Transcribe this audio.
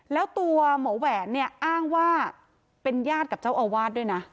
แล้วตัวหมอแหวนเนี่ยอ้างว่าเป็นญาติกับเจ้าอาวาสด้วยนะ